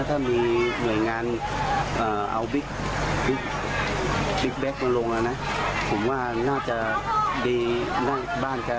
คงคงคงค่ะ